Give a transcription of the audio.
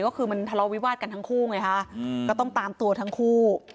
ก็คือมันทะเลาวิวาสกันทั้งคู่ไงฮะก็ต้องตามตัวทั้งคู่